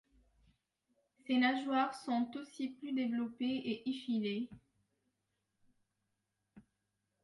Ses nageoires sont aussi plus développées et effilées.